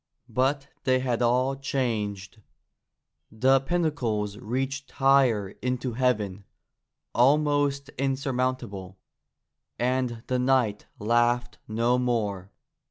But they had all changed. The pinnacles reached higher into heaven, almost insurmountable, and the knight laughed no more.